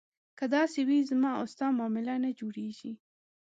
که داسې وي زما او ستا معامله نه جوړېږي.